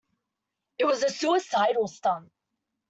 It was a suicidal stunt.